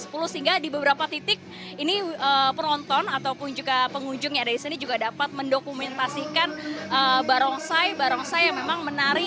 sehingga di beberapa titik ini penonton ataupun juga pengunjung yang ada di sini juga dapat mendokumentasikan barongsai barongsai yang memang menarik